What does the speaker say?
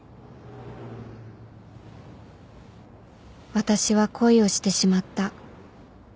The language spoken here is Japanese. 私は恋をしてしまった